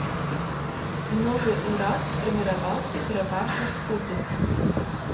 Новы ўрад фарміраваўся пераважна з хуту.